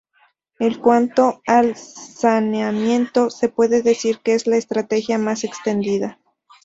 En cuanto al Saneamiento, se puede decir que es la estrategia más extendida.